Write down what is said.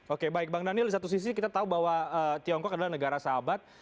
oke baik bang daniel di satu sisi kita tahu bahwa tiongkok adalah negara sahabat